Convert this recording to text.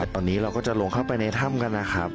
ตอนนี้เราก็จะลงเข้าไปในถ้ำกันนะครับ